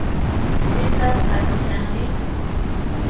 Pitaq takishanri?